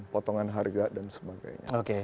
potongan harga dan sebagainya